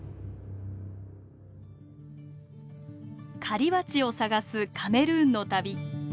狩りバチを探すカメルーンの旅。